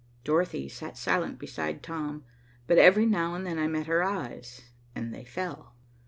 Dorothy sat silent beside Tom, but every now and then I met her eyes, and they fell.